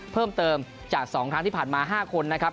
เพิ่มเติมจาก๒ครั้งที่ผ่านมา๕คนนะครับ